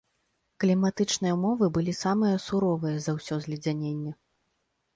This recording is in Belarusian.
Кліматычныя ўмовы былі самыя суровыя за ўсё зледзяненне.